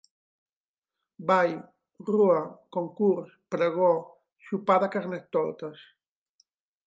Ball, rua, concurs, pregó, sopar de carnestoltes...